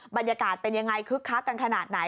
บรรยากาศเป็นยังไงคึกคักกันขนาดไหน